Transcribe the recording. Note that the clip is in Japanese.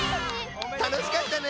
たのしかったね！